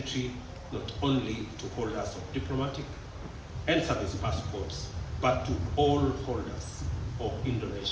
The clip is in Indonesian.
bukan hanya untuk pemegang paspor dan paspor perusahaan diplomat